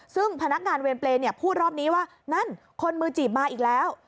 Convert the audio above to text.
ซึ่งพนักงานเวรเปรย์พูดรอบนี้ว่านั่นคนมือจีบมาอีกแล้ว